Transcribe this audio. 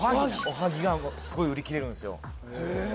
おはぎがすごい売り切れるんすよ